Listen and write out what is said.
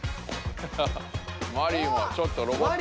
マリイもちょっとロボット。